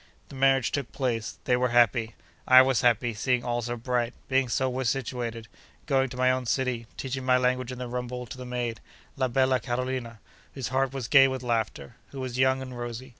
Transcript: The marriage took place. They were happy. I was happy, seeing all so bright, being so well situated, going to my own city, teaching my language in the rumble to the maid, la bella Carolina, whose heart was gay with laughter: who was young and rosy.